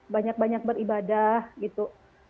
banyak banyak beribadah gitu